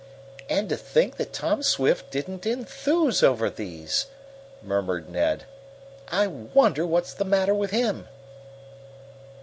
"And to think that Tom Swift didn't enthuse over these!" murmured Ned. "I wonder what's the matter with him!"